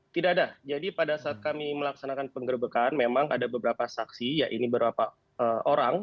tidak ada jadi pada saat kami melaksanakan penggerbekan memang ada beberapa saksi ya ini beberapa orang